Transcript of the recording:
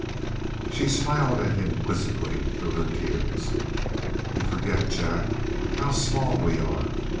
She smiled at him quizzically through her tears. "You forget, Jack, how small we are.